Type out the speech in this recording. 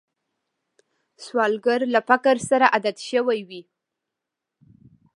سوالګر له فقر سره عادت شوی وي